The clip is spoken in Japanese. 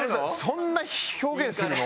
そんな表現するの？